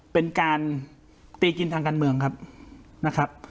เป็นการตีกินทางการเมืองครับนะครับ